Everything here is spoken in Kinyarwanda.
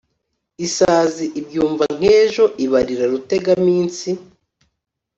isazi ibyumva nk' ejo, ibarira rutegaminsi